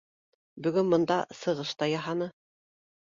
Бөгөн бында сығыш та яһаны